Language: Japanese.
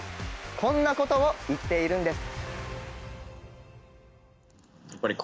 こんなことを言っているんです。